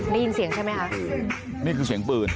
ได้ยินเสียงใช่ไหมคะนี่คือเสียงปืน